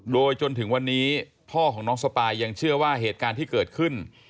โดยจนถึงวันนี้พ่อของน้องสปายยังเชื่อว่าเหตุการณ์ที่เกิดขึ้น